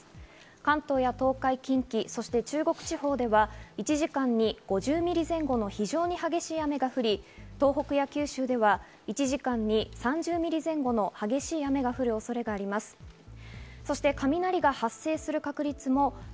関東や東海、近畿そして中国地方では１時間に５０ミリ前後の非常に激しい雨が降り、東北や九州では１時間に３０ミリ前後の激しい雨が降る恐れがあります。